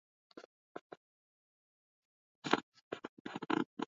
Tukio la haraka.